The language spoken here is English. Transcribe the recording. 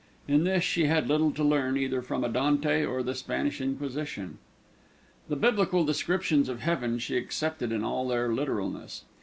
In this she had little to learn either from a Dante, or the Spanish Inquisition. The Biblical descriptions of heaven she accepted in all their literalness.